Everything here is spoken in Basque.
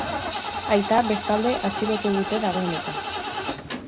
Aita, bestalde, atxilotu dute dagoeneko.